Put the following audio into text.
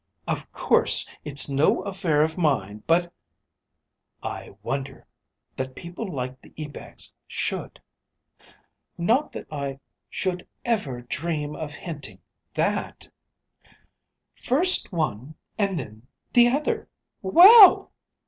"Of course, it's no affair of mine, but " "I wonder that people like the Ebags should " "Not that I should ever dream of hinting that " "First one and then the other well!"